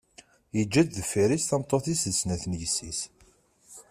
Yeǧǧa-d deffir-s tameṭṭut-is d snat n yessi-s.